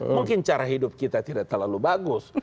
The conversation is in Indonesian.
mungkin cara hidup kita tidak terlalu bagus